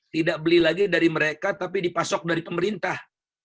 tidak beli lagi dari mereka tapi dipasok dari pemerintah